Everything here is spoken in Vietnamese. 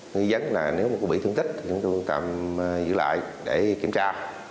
nghi dấn là nếu có bị thương tích thì chúng tôi tạm giữ lại để kiểm tra